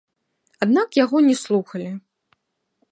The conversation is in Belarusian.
Аднак яго не слухалі.